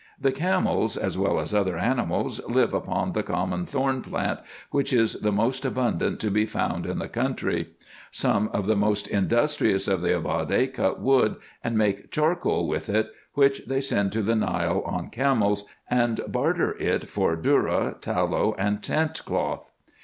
The camels, as well as other animals, live upon the common thorn plant, which is the most abundant to be found in the country. Some of the most industrious of the Ababde cut wood, and make charcoal with it, which they send to the Nile on camels, and barter it 310 RESEARCHES AND OPERATIONS for dhourra, tallow, and tent cloth.